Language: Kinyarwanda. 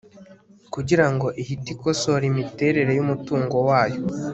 kugira ngo ihite ikosora imiterere y'umutungo wayo